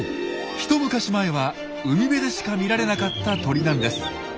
一昔前は海辺でしか見られなかった鳥なんです。